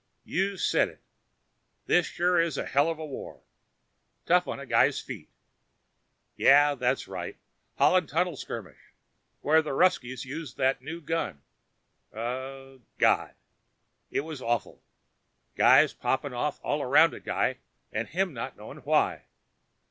You said it! This sure is a hell of a war. Tough on a guy's feet. Yeah, that's right. Holland Tunnel skirmish. Where the Ruskies used that new gun. Uhuh. God! It was awful. Guys popping off all around a guy and him not knowing why.